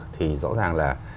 thì rõ ràng là